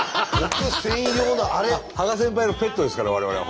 芳賀先輩のペットですから我々は本当に。